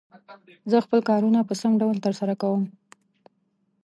زه خپل کارونه په سم ډول تر سره کووم.